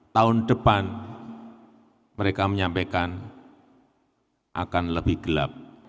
tahun depan mereka menyampaikan akan lebih gelap